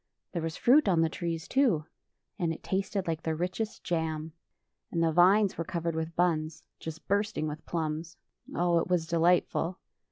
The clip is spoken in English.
There was fruit on the trees, too, and it tasted like the richest jam. And the vines were covered with buns, just bursting with plums. Oh, it was delightful!